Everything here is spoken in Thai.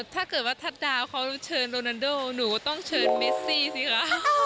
ถ้าเกิดว่าทัศน์ดาวเขาเชิญโรนันโดหนูต้องเชิญเมซี่สิคะ